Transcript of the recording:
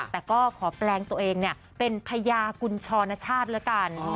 แต่ก็ขอแปลงตัวเองเป็นพญากุญชรณชาติแล้วกัน